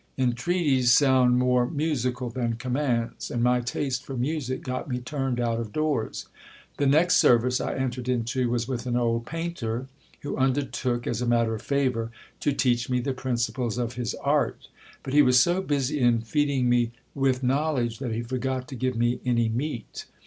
Entreaties sound more musical than commands, and my taste for music got me turned out of doors. The next service I entered into was with an old painter, who undertook, as a matter of favour, to teach me the principles of his art ; but he was so busy in feeding me with knowledge, that he forgot to give me any meat.